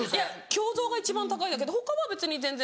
胸像が一番高いだけで他は別に全然。